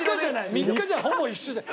３日じゃほぼ一緒じゃん。